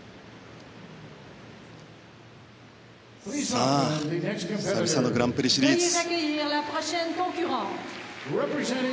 さあ、久々のグランプリシリーズ。